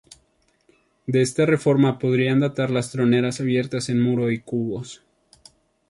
De esta reforma podrían datar las troneras abiertas en muro y cubos.